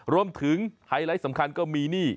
รวมถึงไฮไลท์สำคัญก็มีนี่